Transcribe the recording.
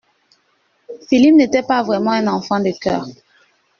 Philippe n’était pas vraiment un enfant de chœur.